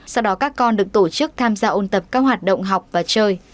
sau đó các con được tổ chức tham gia ôn tập các hoạt động học và chơi